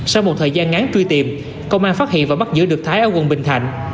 sau một thời gian ngắn truy tìm công an phát hiện và bắt giữ được thái ở quận bình thạnh